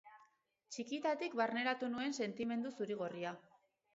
Txikitatik barneratu nuen sentimendu zuri-gorria.